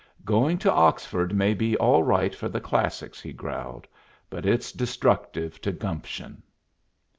"Going to Oxford may be all right for the classics," he growled, "but it's destructive to gumption."